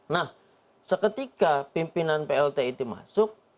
nah seketika pimpinan plt itu masuk